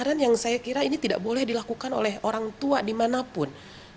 karena yang saya kira ini tidak boleh dilakukan oleh orang tua dimanapun